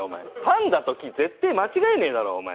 パンダと木絶対間違えねえだろお前。